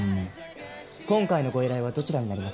今回のご依頼はどちらになりますか？